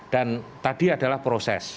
dan tadi adalah proses